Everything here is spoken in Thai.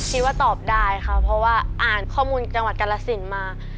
คิดว่าตอบได้ค่ะเพราะว่าอ่านข้อมูลจังหวัดกรสินมา